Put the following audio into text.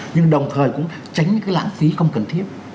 nhưng đồng thời cũng tránh cái lãng phí không cần thiết